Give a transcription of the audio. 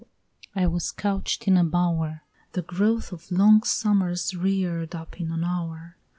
I was couch'd in a bower, The growth of long summers rear'd up in an hour!